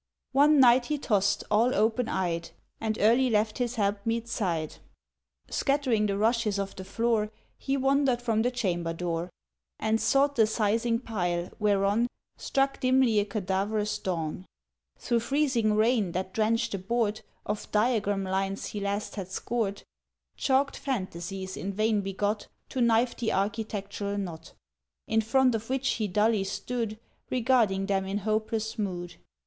—One night he tossed, all open eyed, And early left his helpmeet's side. Scattering the rushes of the floor He wandered from the chamber door And sought the sizing pile, whereon Struck dimly a cadaverous dawn Through freezing rain, that drenched the board Of diagram lines he last had scored— Chalked phantasies in vain begot To knife the architectural knot— In front of which he dully stood, Regarding them in hopeless mood.